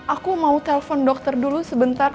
aku mau telpon dokter dulu sebentar